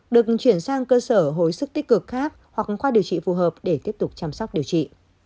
được chuyển sang cơ sở hồi sức tích cực khác hoặc khoa điều trị phù hợp để tiếp tục chăm sóc điều trị